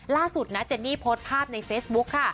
ล่าสุดเจนนี่โพสภาพในเฟสบุ๊ก